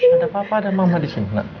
ada papa ada mama disini